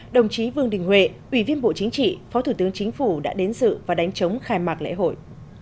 đồng chí vương đình huệ ủy viên bộ chính trị phó thủ tướng chính phủ đã đến dự và đánh chống khai mạc lễ hội